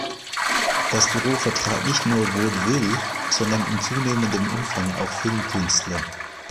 Das Büro vertrat nicht nur Vaudeville-, sondern in zunehmendem Umfang auch Filmkünstler.